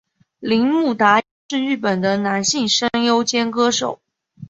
铃木达央是日本的男性声优兼歌手。